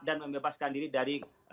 dan membebaskan diri dari